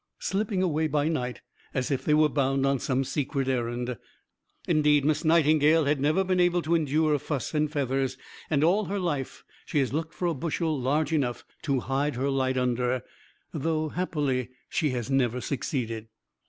slipping away by night, as if they were bound on some secret errand. Indeed, Miss Nightingale has never been able to endure "fuss and feathers," and all her life she has looked for a bushel large enough to hide her light under, though happily she has never succeeded.